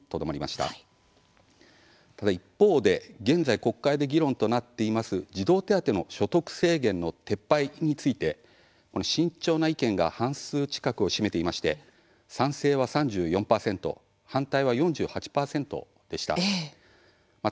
ただ一方で現在、国会で議論となっています児童手当の所得制限の撤廃について慎重な意見が半数近くを占めていまして賛成は３４％反対は４８％でした。